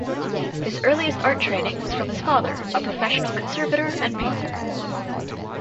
His earliest art training was from his father, a professional conservator and painter.